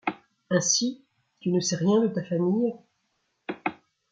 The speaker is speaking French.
Ainsi tu ne sais rien de ta famille ?